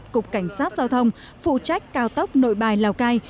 cục cảnh sát giao thông phụ trách cao tốc nội bài lào cai